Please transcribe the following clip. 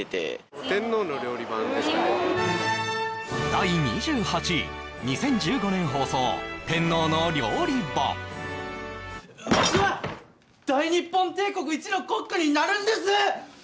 第２８位２０１５年放送「天皇の料理番」わしは大日本帝国一のコックになるんです